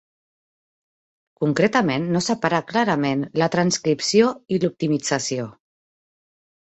Concretament, no separa clarament la transcripció i l'optimització.